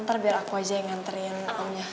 ntar biar aku aja yang nganterin omnya